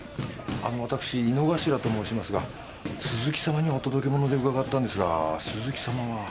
あの私井之頭と申しますが鈴木様にお届け物で伺ったんですが鈴木様は？